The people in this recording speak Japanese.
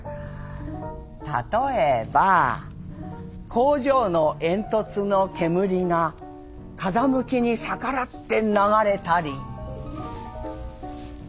例えば工場の煙突の煙が風向きに逆らって流れたり」。